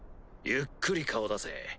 ゆっくり顔出せ。